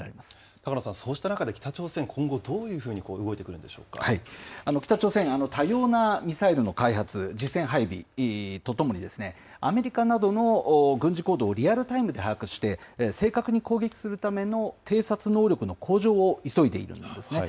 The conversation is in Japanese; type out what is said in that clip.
高野さん、そうした中で、北朝鮮、今後どういうふうに動いて北朝鮮、多様なミサイルの開発、実戦配備とともに、アメリカなどの軍事行動をリアルタイムで把握して、正確に攻撃するための偵察能力の向上を急いでいるんですね。